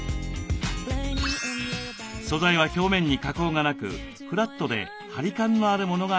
素材は表面に加工がなくフラットでハリ感のあるものが似合います。